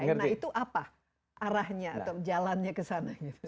nah itu apa arahnya atau jalannya ke sana